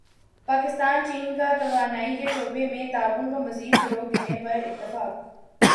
پاکستان چین کا توانائی کے شعبے میں تعاون کو مزید فروغ دینے پر اتفاق